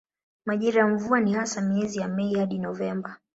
Majira ya mvua ni hasa miezi ya Mei hadi Novemba.